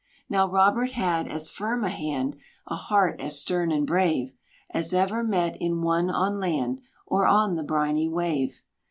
Now Robert had as firm a hand, A heart as stern and brave, As ever met in one on land, Or on the briny wave.